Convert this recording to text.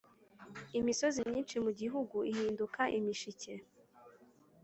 imisozi myinshi mu gihugu ihinduke imishike.